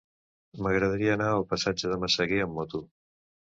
M'agradaria anar al passatge de Massaguer amb moto.